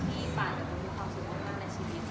แต่ที่เรารู้สึกจากข้างในจริง